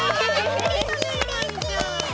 うれしい、うれしい。